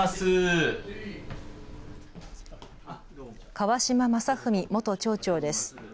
川島理史元町長です。